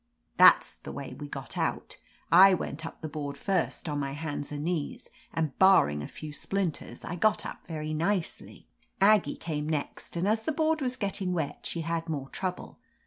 That's the way we got out. I went up the board first, on my hands and knees, and bar ring a few splinters I got up very nicely. Aggie came next, and as the board was getting wet she had more trouble.